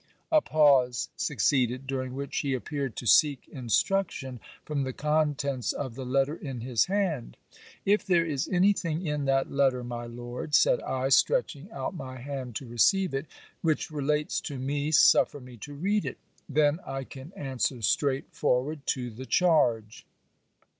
A pause succeeded, during which he appeared to seek instruction from the contents of the letter in his hand. 'If there is any thing in that letter, my Lord,' said I, stretching out my hand to receive it, 'which relates to me, suffer me to read it; then I can answer straight forward to the charge.'